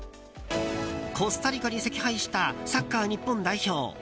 コスタリカに惜敗したサッカー日本代表。